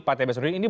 pak t b suri